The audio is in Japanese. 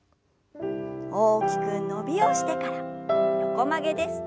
大きく伸びをしてから横曲げです。